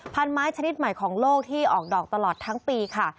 พันไม้ชนิดใหม่ของโลกที่ออกดอกตลอดทั้งปีค่ะ